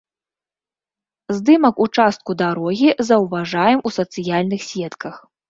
Здымак участку дарогі заўважаем у сацыяльных сетках.